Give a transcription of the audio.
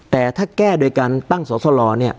แต่ถ้าแก้โดยการตั้งสอสลเนี่ย